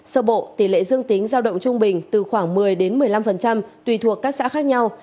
sơ bộ tỷ lệ dương tính giao động trung bình từ khoảng một mươi đến một mươi năm tùy thuộc các xã khác nhau